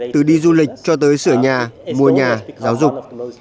từ đi du lịch cho tới sửa nhà mua nhà giáo dục